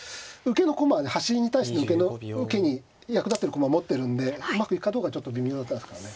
端に対して受けに役立ってる駒持ってるんでうまくいくかどうかちょっと微妙だったですからね。